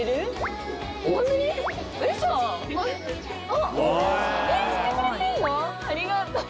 ありがとう。